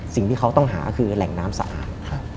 สิ่งที่เขาต้องหาคือแหล่งน้ำสะอาด